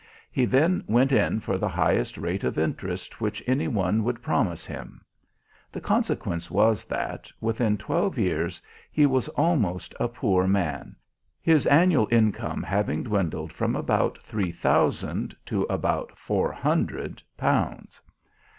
He then went in for the highest rate of interest which anyone would promise him. The consequence was that, within twelve years, he was almost a poor man, his annual income having dwindled from about three thousand to about four hundred pounds.